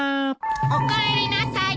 おかえりなさい。